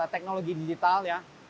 teknologi digital ya